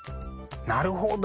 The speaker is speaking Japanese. なるほど。